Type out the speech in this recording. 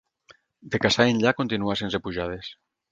De Cassà enllà, continua sense pujades.